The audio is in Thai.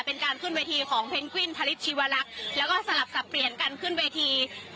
เป็นการขึ้นเวทีของเพนกวินพลิตชีวลักษณ์แล้วก็สลับสับเปลี่ยนกันขึ้นเวที